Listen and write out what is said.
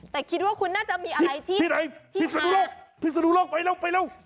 แต่คิดว่าคุณน่าจะมีอะไรที่ที่ไหนที่สะดุโรคที่สะดุโรคไปเร็วไปเร็ว